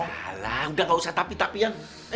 alah udah nggak usah tapi tapi yang